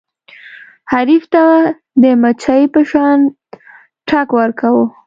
حریف ته د مچۍ په شان ټک ورکوه.